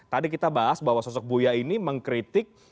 tadi kita bahas bahwa sosok buya ini mengkritik